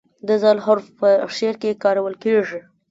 د "ذ" حرف په شعر کې کارول کیږي.